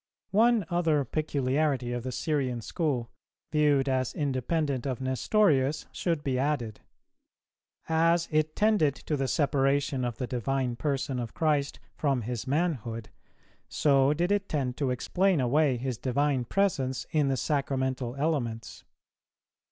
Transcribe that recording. One other peculiarity of the Syrian school, viewed as independent of Nestorius, should be added: As it tended to the separation of the Divine Person of Christ from His manhood, so did it tend to explain away His Divine Presence in the Sacramental elements.